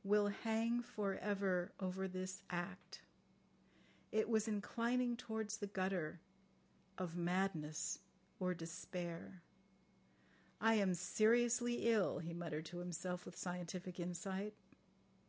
"... Will hang for ever over this act. ... It was inclining towards the gutter ... of madness or despair." "I am seriously ill," he muttered to himself with scientific insight.